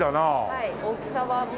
はい大きさは。